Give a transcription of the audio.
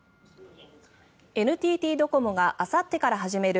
ＮＴＴドコモがあさってから始める